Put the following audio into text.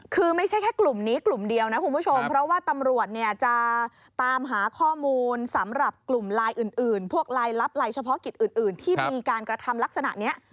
คือไม่ใช่แค่กลุ่มนี้กลุ่มเดียวนะคุณผู้ชมเพราะว่าตำรวจเนี่ยจะตามหาข้อมูลสำหรับกลุ่มลายอื่นพวกลายลับลายเฉพาะกิจอื่นที่มีการกระทำลักษณะนี้